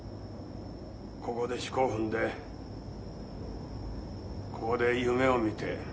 ここで四股踏んでここで夢を見て。